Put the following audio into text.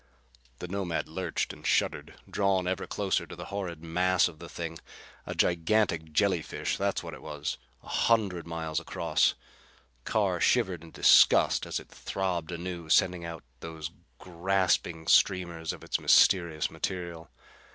The Nomad lurched and shuddered, drawn ever closer to the horrid mass of the thing. A gigantic jellyfish, that's what it was, a hundred miles across! Carr shivered in disgust as it throbbed anew, sending out those grasping streamers of its mysterious material.